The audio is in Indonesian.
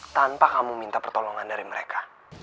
tanpa kamu minta pertolongan dari mereka